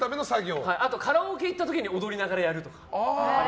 あとカラオケ行った時に踊りながらやるとか。